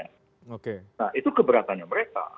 nah itu keberatannya mereka